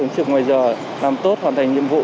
ở trường ngoài giờ làm tốt hoàn thành nhiệm vụ